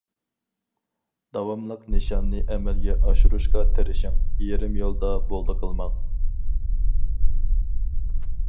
داۋاملىق نىشاننى ئەمەلگە ئاشۇرۇشقا تىرىشىڭ، يېرىم يولدا بولدى قىلماڭ.